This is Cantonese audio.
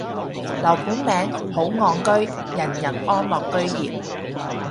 樓盤名，好岸居，人人安居樂業